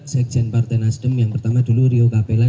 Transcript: sekjen partai nasdem yang pertama dulu rio capella